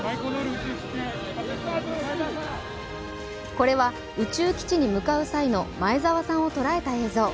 これは宇宙基地に向かう際の前澤さんを捉えた映像。